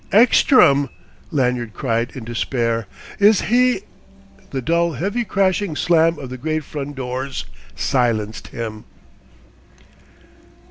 "Ekstrom!" Lanyard cried in despair. "Is he " The dull, heavy, crashing slam of the great front doors silenced him.